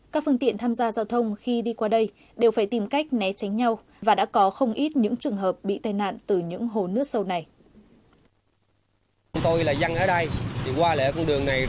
các phương tiện tham gia giao thông khi đi qua đây đều phải tìm cách né tránh nhau và đã có không ít những trường hợp bị tai nạn từ những hồ nước sâu này